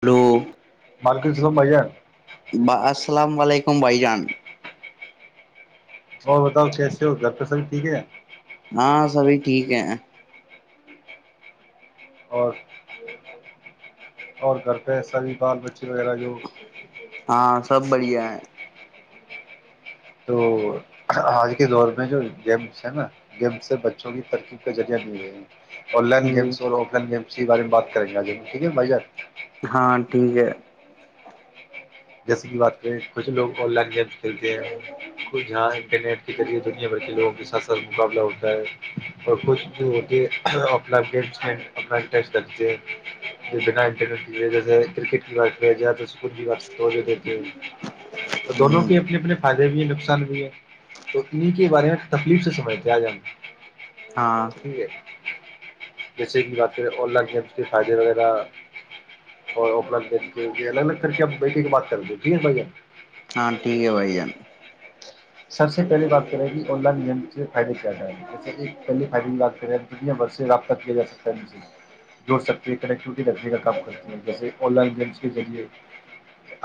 hello وعلیکم السلام بھیا السلام علیکم [unintelligible] سبائی جان اور بتاؤ کیسے ہو گھر پہ سب ٹھیک ہے ہاں سبھی ٹھیک ہے اور اور گھر پہ سا بھی بال بچے وغیرہ جو ہاں سب بڑھیا ہے تو آج کے دور میں جو گیمس ہے نا گیمس سے بچوں کی ترکیب کا ذریعہ نہیںل رہے آن لائن ہ گیمس اور آف لائن گیمس کے بارے میں بات کریں گے آ ایک مزار [unintelligible] ہاں ٹھیک ہے جیسے کی بات کریں کچھ لوگ آ لائن گ چلتے ہیں خ جاں انٹرنیٹ کے ذریعے دنیا بھر کے لوگوں کے ساتھ س مقابلہ ہوتا ہے اور کچھ [unintelligible] جوتی [unintelligible] گم اپناٹی [unintelligible] بناٹر جسےٹ کی جک [unintelligible] وہ جو دیتے ہیں تو دونوں کے ہ اپنے اپنے فائدے بھی ہیں نقصان بھی ہے تو انیں کے بارے میں تکلیف سے سمجھتے آ جانا ہاں ٹھیک ہے [unintelligible] جیسے کہ بات کریں آن لائن گیم کے فائدے وغیرہ اور آف لائن گیم کے الگ الگ کر کے [unintelligible] بیٹی کی بات کر دو جیس بھائی [unintelligible] ہاں ٹھیک ہے بھائی جان [unintelligible] سب سے پہلیے بات کرے گی اولا نیم سے [unintelligible] ادھی [unintelligible] ایک پہلیے فائرنگ لگتے رہے دتنیا برس [unintelligible] رابطہ کیا جا سکتا ہے جے [unintelligible] جڑ سکتے ہیں کنیکٹیوٹی رکھنے کا کام کرتے ہیں جیسے آن لائن گیمس کے ذریعے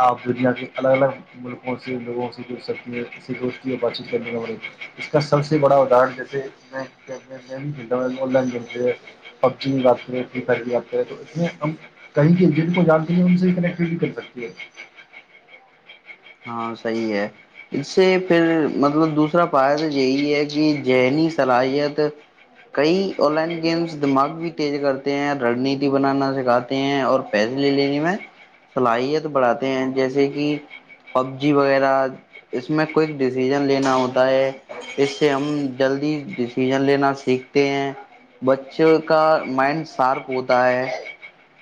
آپ دنیا کے الگ الگ ملکوں سے لوگوں سے جڑ سکتی ہیں [unintelligible] اتیت کرنی پڑی اس کا سب سے بڑا ادر جیسے میں کھیلتا ہ ل پبیات [unintelligible] آتا ہے تو اس میں ہم کہیں کی ج کو جانتے نہیں ہم سے کنیکٹیڈ بھی کر سکتی ہے [unintelligible] ہاں صحیح ہے اس سے پھر مطلب دوسرے [unintelligible] اس طرح پایا تو جیے کہ [unintelligible] ذہنی صلاحیت کئی آن لائن گیمس دماغ بھی تیز کرتے ہیں رننیتی بنانا سکھاتے ہیں اور پیسے لے لینے میں صلاحیت بڑھاتے ہیں جیسے کہ [unintelligible] پب جی وغیرہ اس میں کوئک ڈیسیزن لینا ہوتا ہے اس سے ہم جلدی ڈسیزن لینا سیکھتے ہیں بچوں کا مائنڈ شارپ ہوتا ہے [unintelligible]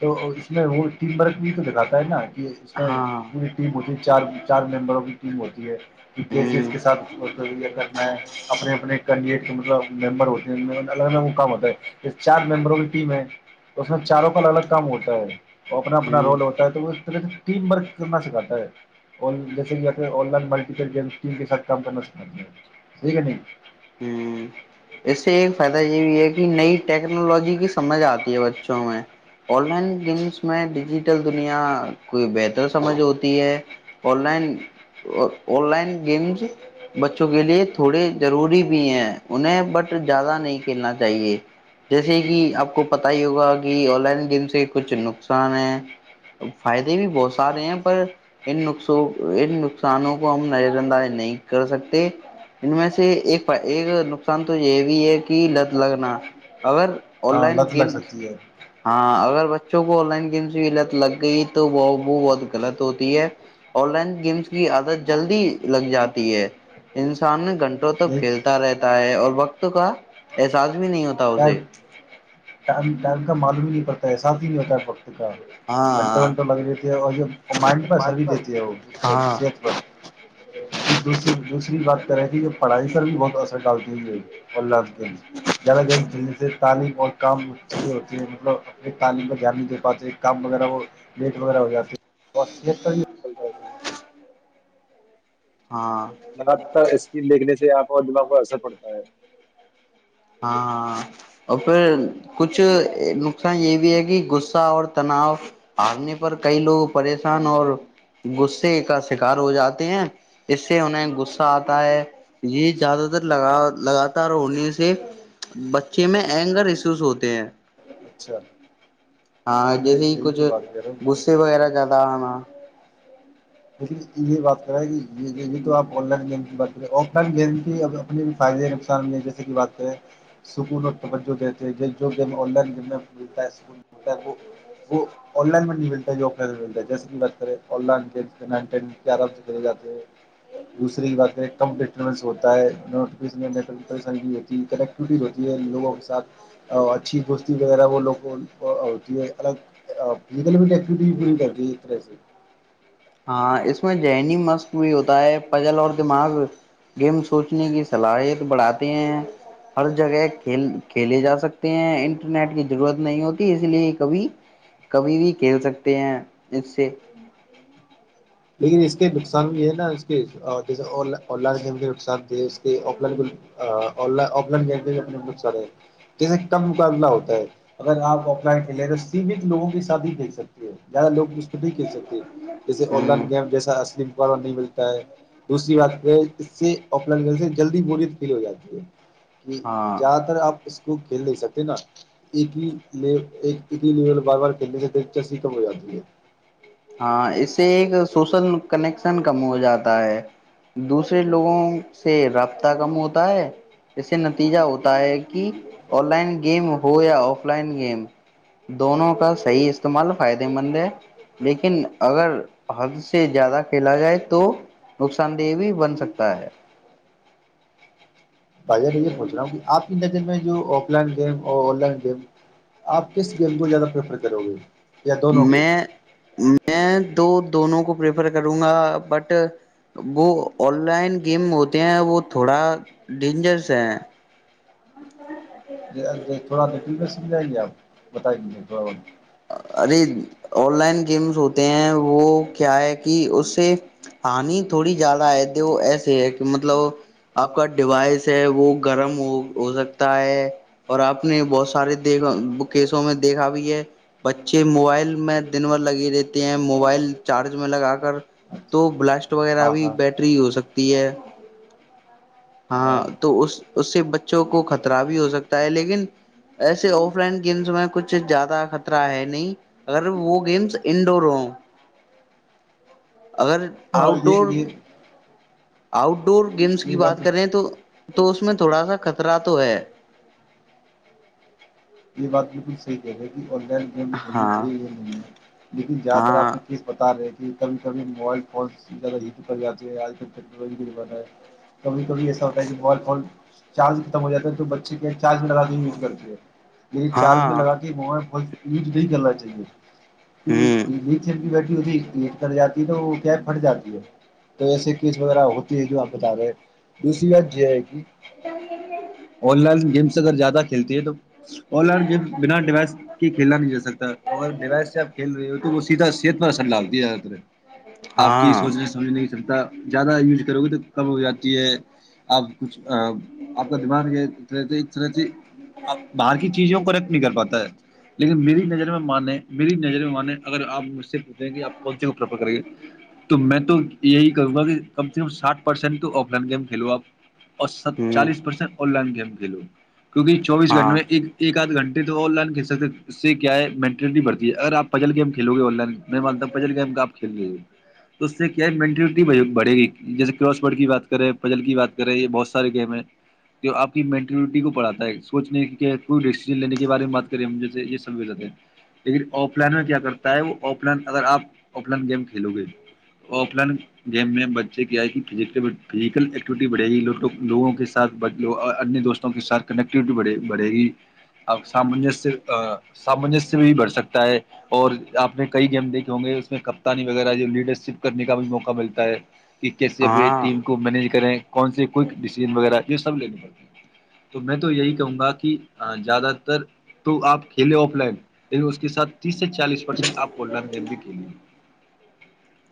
تو اس میں وہ ٹیم ورک بھی تو دکھاتا ہے نا [unintelligible] اس میں ہاں پوری ٹیم اٹھی چار چار ممبروں کی [unintelligible] ہوتی ہے [unintelligible] کہ کیسے اس کے ہ سات کرنا ہے اپنے اپنے ک [unintelligible] ممبر ہوتی ہیں الگ الگقم ہوتا ہے [unintelligible] چار ممبروں کی ٹیم ہے اس میں چاروں کا الگ ہوتا ہے اپنا اپنا ہ رول ہوتا ہے تو طرح سے ٹیم ورک کرنا سکھاتا ہے جیسے مٹی ٹی کے ساتھ کام کرنا سکھات ہے ٹھیک ہے نہیں ہوں اس سے ایک فائدہ یہ بھی ہے کہ نئی ٹیکنالوجی کی سمجھ آتی ہے بچوں میں آن لائن گیمس میں ڈیجیٹل دنیا کوئی بہتر سمجھ ہوتی ہے online online games بچوں کے لیے تھوڑے ضروری بھی ہیں انہیں بٹ زیادہ نہیں کھیلنا چاہیے جیسے کہ آپ کو پت ہی ہوگا کہ آن لائن گیم سے کچھ نقصان ہے فائدے بھی بہت سارے ہیں پر انقص ان نقصانوں کو ہم نظر اندازی نہیں کر سکتے ان میں سے ایک نقصان تو یہ بھی ہے کہ لت لگنا اگر آن ہاں لائن لت گیم لگ سکتی ہے ہاں اگر [inaudible] بچوں کو آ لائن گم کی لگ گئی تو وہ بہت غلط ہوتی ہے آن لائن گیمس کی عادت جلدی لگ جاتی ہے انسان گنٹ تو یہی کھیلتا رہتا ہے اور وقت کا احساس بھی نہیں ہوتا ٹائم تاؤزے [inaudible] ٹائم کا معلوم ہی نہیں پڑتا ہے ساتھ ہی نہیں ہوتا ہےڑتا گھنٹے ہاں وھنٹہ لگ جتے ہے اور جو مائنڈ پر سبھی دیتے ہے وہ اس طرح سے ہاں صحت پر دوسری دوسری بات طرح جو پڑھائی کر بھی بہت اثر جی جی اللہظ جرا دن تعم [inaudible] کام بھی ہوتی ہے مطلب ایک تعلیم کا دھیان نہیں دے پاتے کام وغیرہ وہ لیٹ وغیرہ ہو جاتی ہے یہ [inaudible] ہاں لگات تھا اسکم دیکھنے سے آپ اور دماغ پر اثر پڑتا ہے ہاں ہ اور پھر کچھ نقصان یہ بھی ہے کہ غصہ اور تناؤ ہارنے پر کئی لوگ پریشان اور غصے کا شکار ہو جاتے ہیں اس سے انہیں غصہ آتا ہے یہ زیادہ تر لگا لگاتار ہو بچے میں اینگر ایسوس ہوتے ہیں اچھا ہاں یہ جیسے ہی یہی کچھ تو بات کر رہا ہوں غصے وغیرہ زیادہ آ ہاں لیک یہ بات کریں یہ تو آپ آن لائن گم بات کریں آف لائن گیم کی ا اپنے فائدے کے نقصان بھی ہے جیسے کہ بات کریں سکون اور توجہ دیتے ہیں جو گ آن لائن گم متا ہےکتا ہے وہ آن لائن میں نہیں ملتا جو آف لائ ملتا ہے جیسے بات کریں آن لائن رب سے کر جے دوسری بات ہے کمپ ہوتا ہے ہوتی کنیکٹیوٹی ہوتی ہے لوگوں کے ساتھ اچھی دوستی وغیرہ وہ لوگ ہوتی ہے الگ فیکل ایکٹی پوری کرتی ہے اس طرح سے ہاں اس میں ذہنیی مسق بھی ہوتا ہے پل اور دماغ گیم سوچنے کی صلاحیت بڑھاتے ہیں ہر جگہ کھیل کھیلے جا سکتے ہیں انٹرنیٹ کی ضرورت نہیں ہوتی اسی لیے کبھی کبھی بھی کھیل سکتے ہیں اس سے لیکن اس کے نقصان بھی ہے نا اس کے جیسے اور لار گیم کے آ آف لائن گیم بھینے بت سارے ہیں جیسے کم مقابلہ ہوتا ہے اگر آپ آف لائن کھیلیں تو سیمت لوگوں کے ساتھ ہی کھیل سکتے ہیں زیادہ لوگ م بھی کھیل سکتے ہیں جیسے آن لائن ہوں گم جیسا اصلی مق نہیں ملتا ہے دوسری بات یہ اس سے ا گ سے جلدی ب فیل ہو جاتی ہے کہ ہاں زیادہ تر آپ اس کو کھیل نہیں سکتے نا ایک ہی ایک ہی لیول بار بار کنے سے دلچ س کم ہو جات ہے ہاں اس سے ایک سوشل کنیکشن کم ہو جاتا ہے دوسرے لوگوں سے رابطہ کم ہوتا ہے ج سے نتیجہ ہوتا ہے کہ آ لائن گیم ہو یا آف لائن گیم دونوں کا صحی استعمال فائدے مند ہے لیکن اگر حد سے زیادہ کھیلا جائے تو نقصان دہ بھی بن سکتا ہے بھائی جان میں یہ پوچھ رہا ہوں کہ آپ کی نظر میں جو online game online game آپ کس گیم کو زیادہ پریفر کرو گے یا دونوں کو میں میں دو دونوں کو پرپر کروں گا بٹ وہ آن لائن گیم ہوتے ہیں وہ تھوڑا ڈینجرس ہے [unintelligible] [unintelligible] ارے آن لائن گیمس ہوتے ہیں وہ کیا ہے کہ اس سے ہانی تھوڑی زیادہ ہے وہ ایسے ہے کہ مطلب آپ کا ڈیوائس ہے وہ گرم ہو ہو سکتا ہے اور آپ نے بہت سارے کیسوں میں دیکھا بھی ہے بچے موبائل میں دن بھر لگی رہتے ہیں موبائل چارج میں لگا کر تو بلاسٹ وغیرہ ہاں بھی ہاں بیٹری ہی ہو سکتی ڈیئر ہاں تو اس اس سے بچوں کو خطرہ بھی ہو سکتا پہلے لیکن ایسے آف لائن گیمس میں کچھ زیادہ خطر رہا ہے نہیں اگر وہ گیمس انڈور ہوں اگر ہاں آؤٹ یہ ڈور یہ آؤٹ ڈور گیمس کی بات کریں تو اس اس میں تھوڑا سا خطرہ تو ہے یہ بات بالکل صحی کہہ رہی ہے آآنلائن گیم کھیلنی ہاں چاہیے یہ نہیں لیکن زیادہ تر ہاں آپ نے کیس بتا رہے تھ کبھی کبھی موبائل فونس زیادہ ہیٹ کر جاتے ہیں آج کل ٹیکنالوجی کا زمانہ ہے کبھی کبھی ایسا ہوتا ہے کہ بال فال چارج ختم ہو جاتے ہے تو بچے کے چارج لگاتے یوز کرتے ہے یہ چارج ہاں میں لگا کے وہ یوز نہیں کرنا چاہیے ہوں کیونکہ لیتھیئم بیٹری ہوتی ہے لیک کر جاتی ہے تو وہ پھٹ جاتی ہے تو ایسے کیس وغیرہ ہوتی ہے جو آپ بتا رہے دوسری بات یہ ہے کہ آن لائن گیمس اگر زیادہ کھیلتی ہے تو آن لائن گیم بنا ڈیوائس کی کھیلنا بھی نہیں جا سکتا اور ڈیوائس سے آپ کھیل رہے ہو تو وہ سیدھا صحت پر اثر ڈالتی ہے زیادہ تر آپ کی ہاں سوچنے سمجھنے نہیں سکتا [unintelligible] کب ہو جاتی ہے اب کچھ آپ کا دماغ یہ طرح سے آپ باہر کی چیزوں کو آپ کوئٹ کر پاتا ہے لیکن میری نظر میں مانے میری نظر میں مانے اگر آپ مجھ سے پوچھیں کہ آپ کون کو پرپر کریں گے تو میں تو یہی کروں گا کہ کم سے کم ساٹ پرسینٹ تو آف لن گیم کھیلو آپ اور سب ہوں چالیس پرسینٹ پر [unintelligible] کیونکہ چوبیس گھٹے ہاں میں ایک آدھ گھنٹے آ لن کل سکتے اس سے کیا ہے مینٹلٹی بڑتی ہے اگر آپجل گم کھیلو گے آن لائن میں مانتا ہوں پجل گیم آپ کھیل رہی ہے تو اس سے کیا ہے مینٹلٹی بڑھے گی جیسے کراس بڈ کی بات کریں پجل کی بات کریں یہ بہت سارے گیم ہے جو آپ کی مینٹلٹی کو بڑھاتا ہے سوچنے کہ ڈسین لینے کے بارے میں بات کریں ہم جیے بھی جاتا ہیں لیکن آف لائن میں کیا کرتا ہے وہ آف لائن اگر آپ آف لائن گیم کھیلو گے تو آف لائن گیم میں بچے کیا آ ہے کہ فزٹیو فزیکل ایکٹیوٹی بڑے گی لو لوگوں کے ساتھ دوستوں کے ساتھ کنیکٹیوٹی بڑھے بھے گی آپ سامنجس سے سامنجسیہ بھی بڑھ سکتے اور آپ نے کئی گیم دیکھے ہوں گے اس میں کپتانی وغیرہ جو لیڈر شپ کرنے کا بھی موقع ملتا ہے کہ کیس اپنی ہاں ٹیم کو مینج کریں کون سے کوک ڈیسیزن وغیرہ یہ سب لینے پڑتے ہیں تو میں تو یہی کہوں گا کہ ہاں زیادہ تر تو آپ کھیلیں آف لائن لیکن اس کے ساتھ تیس سے چالیس پرسینٹ آپ آن لائن گیم بھی کھیلیں گے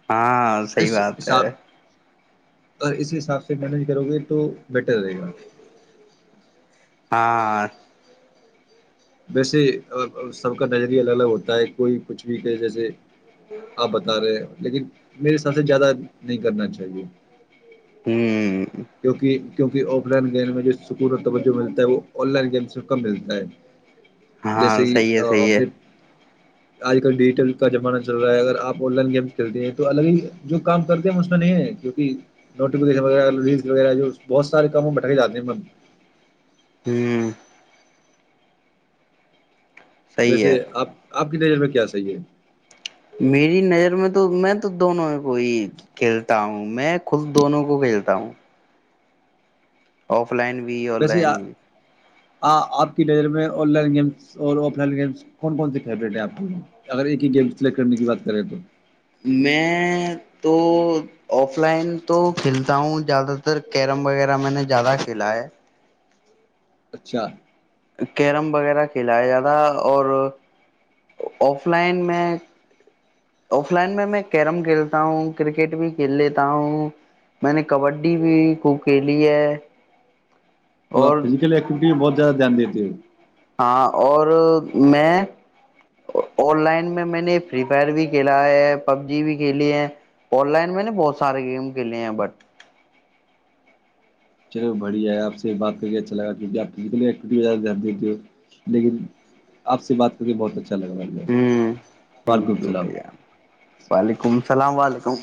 ہاں صحیح اس بات حساب ہے اور اس حساب سے مینج کرو گے تو بیٹر رہے گا ہاں ویسے سب کا نظریہ الگ الگ ہوتا ہے کوئی کچھ بھی کہ جیسے آپ بتا رہے لیکن میرے ساتھ سے زیادہ نہیں کرنا چاہیے ہوں کیکہ آف لائن گیم میں جو سکون و توجہ ملتا ہے وہ آن لائن گیم میں کم ملتا ہے ہاں جیسے صی کہ ہے آپ صحی ہے نے آج کل ڈیجیٹل کا زمانہ چل رہا ہے اگر آپ آن لائن گیم کھیلتے ہیں تو الگ ہی جو کام کرتے ہیں اس میں نہیں ہے کیکہ نوٹیفکیشن ریل وغہ بہت سارے کام بٹھ کے جاتے ہیں ہوں صحیح ویسے ہے آپ آپ کی د میں کیا صحیح ہے میری نظر میں تو میں تو دونوں کو ہی کھیلتا ہوں میں خود دونوں کو کھیلتا ہوں او آف لائن بھی آن لائن بھی آ آپ کی ڈر میں آن لائن گیمس اور آف لائن گیمس کون کون سے فیورٹ ہیں آپ کے اگر ایک ہی گیم سلیکٹ کرنے کی بات کریں تو میں تو آف لائن تو کھیلتا ہوں زیادہ تر کیرم وغیرہ میں نے زیادہ کھیلا ہے اچھا کیرم وغیرہ کھیلایا جاتا اور آف لائن میں آف لائن میں میں کیرم کھیلتا ہوں کرکٹ بھی کھیل لیتا ہوں میں نے کبڈی بھی کوک ب لی ہے تو آپ اور فزیکل ایکٹیویٹی میں بہت زیادہ دھیان دیتے ہو ہاں اور میں آن لائن میں میں نے فری فائر بھی کھیلا ہے پب جی بھی کھیلی ہے آن لائن میں نے بہت سارے گیم کھیلے ہیں بٹ چلو بڑھیا ہے آپ سے بات کر کے اچھا لگا کیکہ آپ جتنے دھیان دیتے ہو لیکن آپ سے بات کر کے بہت اچھا ہ وعلیکم تھینک یو السلام بھائی جان، وعلیکم السلام و علیکم